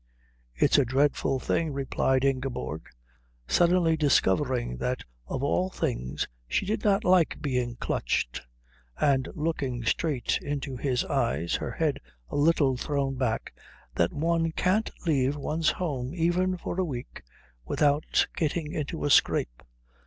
"It's a dreadful thing," replied Ingeborg, suddenly discovering that of all things she did not like being clutched, and looking straight into his eyes, her head a little thrown back, "that one can't leave one's home even for a week without getting into a scrape."